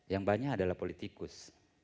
yang banyak adalah politikus